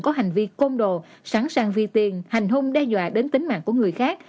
có hành vi côn đồ sẵn sàng vi tiền hành hung đe dọa đến tính mạng của người khác